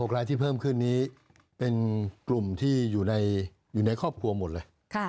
รายที่เพิ่มขึ้นนี้เป็นกลุ่มที่อยู่ในครอบครัวหมดเลย